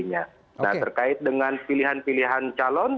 nah terkait dengan pilihan pilihan calon